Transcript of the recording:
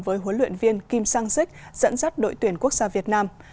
với huấn luyện viên kim sang sik dẫn dắt đội tuyển quốc gia việt nam